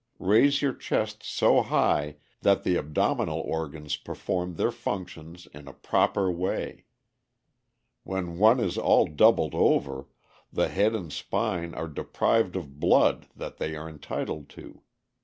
Raise your chest so high that the abdominal organs perform their functions in a proper way. When one is all doubled over, the head and spine are deprived of blood that they are entitled to.